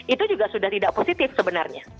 itu juga sudah tidak positif sebenarnya